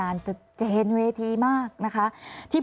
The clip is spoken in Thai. รัฐบาลนี้ใช้วิธีปล่อยให้จนมา๔ปีปีที่๕ค่อยมาแจกเงิน